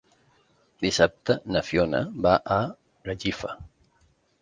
Dissabte na Fiona va a Gallifa.